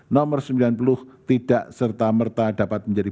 nomor sembilan puluh tidak serta merta dapat menjadi